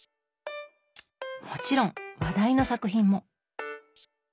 もちろん話題の作品も。